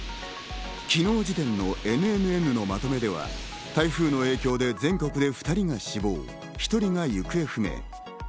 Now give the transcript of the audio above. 昨日時点のＮＮＮのまとめでは、台風の影響で全国で２人が死亡、１人が行方不明。